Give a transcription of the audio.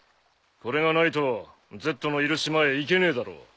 これがないとＺのいる島へ行けねえだろ。